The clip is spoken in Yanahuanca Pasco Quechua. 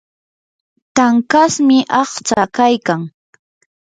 tankashmi aqtsaa kaykan.